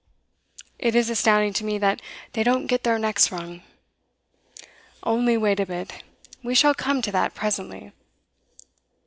It is astounding to me that they don't get their necks wrung. Only wait a bit; we shall come to that presently!